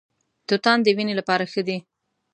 توتان د وینې لپاره ښه دي.